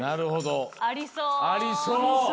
ありそう。